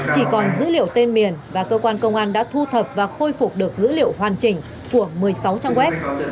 chỉ còn dữ liệu tên miền và cơ quan công an đã thu thập và khôi phục được dữ liệu hoàn chỉnh của một mươi sáu trang web